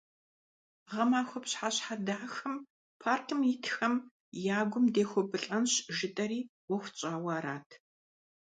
Гъэмахуэ пщыхьэщхьэ дахэм паркым итхэм я гум дехуэбылӀэнщ жытӀэри, Ӏуэху тщӀауэ арат.